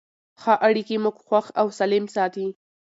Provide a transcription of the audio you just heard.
ښه اړیکې موږ خوښ او سالم ساتي.